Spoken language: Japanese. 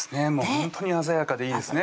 ほんとに鮮やかでいいですね